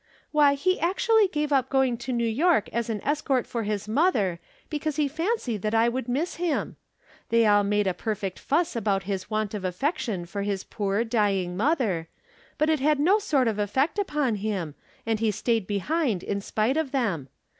Why, he actually gave up going to New York as an escort for his mother because he fancied that I would miss him. They aU made a great fuss about Ms want of affection for his poor, dying mother. But it had no sort of effect upon him, and he staid behind in spite of them.